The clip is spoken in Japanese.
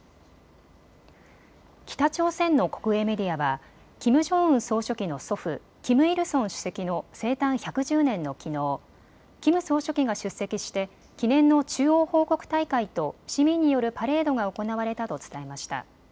北朝鮮の国営メディアはキム・ジョンウン総書記の祖父、キム・イルソン主席の生誕１１０年のきのう、キム総書記が出席して記念の中央報告大会と市民によるパレードが行われたと伝えました。